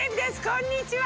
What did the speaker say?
こんにちは！